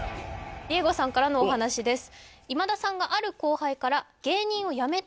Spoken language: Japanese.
ディエゴさんからのお話です